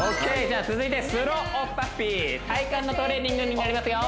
じゃあ続いてスローおっぱっぴー体幹のトレーニングになりますよ